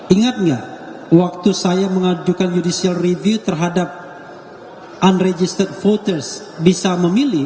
ingat nggak waktu saya mengajukan judicial review terhadap unregister voters bisa memilih